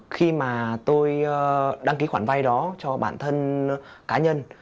khi mà tôi đăng ký khoản vay đó cho bản thân cá nhân